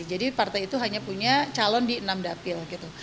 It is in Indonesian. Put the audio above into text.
jadi partai itu hanya punya calon di enam dapil